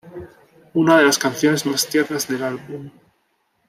Una de las canciones más tiernas del álbum.